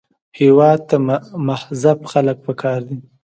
هېواد ته مهذب خلک پکار دي